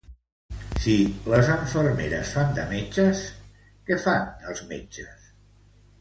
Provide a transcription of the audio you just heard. Si les infermeres fan de metges, què fan els metges?